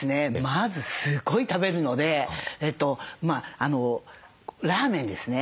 まずすごい食べるのでラーメンですね。